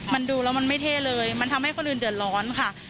มันดูแล้วมันไม่เท่เลยมันทำให้คนอื่นเดือดร้อนค่ะ